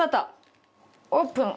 オープン！